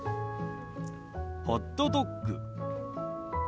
ホットドッグ。